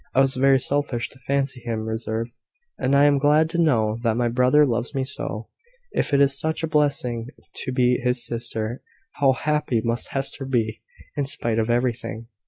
"I was very selfish to fancy him reserved; and I am glad to know that my brother loves me so. If it is such a blessing to be his sister, how happy must Hester be in spite of everything!